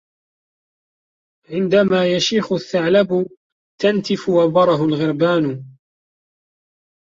عندما يشيخ الثعلب تنتف وبره الغربان.